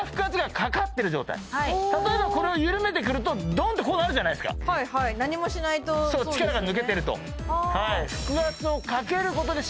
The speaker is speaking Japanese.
例えばこれを緩めてくるとドンってこうなるじゃないですか何もしないとそうですよね